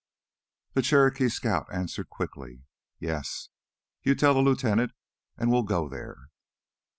The Cherokee scout answered quickly. "Yes. You tell the lieutenant, and we'll go there."